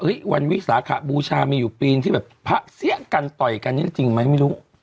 วันวิสาขบูชามีอยู่ปีนที่แบบพระเสี้ยกันต่อยกันนี้จริงไหมไม่รู้